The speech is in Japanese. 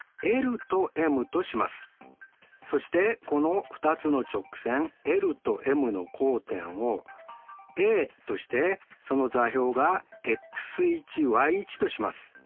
そしてこの２つの直線ｌとｍの交点をＡとしてその座標がとします。